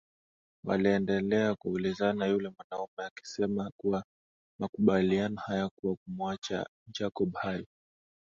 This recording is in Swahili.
Waliendelea kuulizana yule mwanaume akisema kuwa makubaliano hayakuwa kumwacha Jacob hai